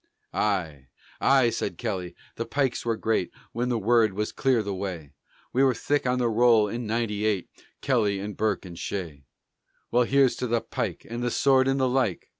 "Aye, aye," said Kelly, "the pikes were great When the word was 'clear the way!' We were thick on the roll in ninety eight Kelly and Burke and Shea." "Well, here's to the pike and the sword and the like!"